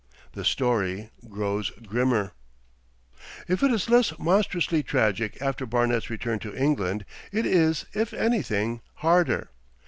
The story grows grimmer.... If it is less monstrously tragic after Barnet's return to England, it is, if anything, harder.